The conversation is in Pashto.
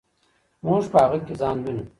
موږ په هغه کې ځان وینو.